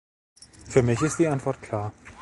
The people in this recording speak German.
Für mich ist die Antwort klar.